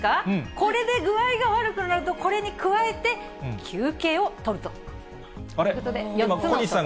これで具合が悪くなると、これに加えて、休憩をとるということで。